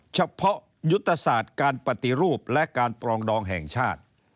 เฉพาะยุทธศาสตร์การปฏิรูปและการปรองดองแห่งชาติ